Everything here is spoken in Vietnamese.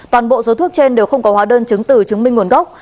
toàn bộ số thuốc trên đều không có hóa đơn chứng từ chứng minh nguồn gốc